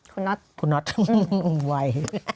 คุณน็อตคุณน็อตไว